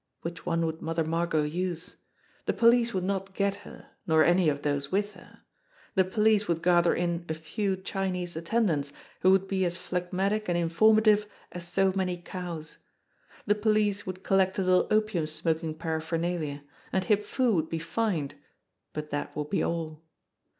Which one would Mother Margot use? The police would not get her, nor any of those with her. The police would gather in a few Chinese attend ants who would be as phlegmatic and informative as so many cows ; the police would collect a little opium smoking paraphernalia, and Hip Foo would be fined but that would be all.